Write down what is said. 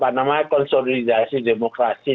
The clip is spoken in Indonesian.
nah masa sekarang ini kan masa konsolidasi demokratis